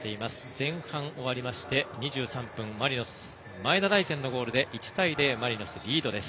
前半終わりまして２３分にマリノス、前田大然のゴールで１対０マリノス、リードです。